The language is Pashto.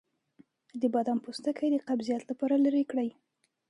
د بادام پوستکی د قبضیت لپاره لرې کړئ